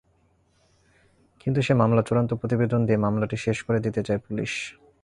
কিন্তু সেই মামলার চূড়ান্ত প্রতিবেদন দিয়ে মামলাটি শেষ করে দিতে চায় পুলিশ।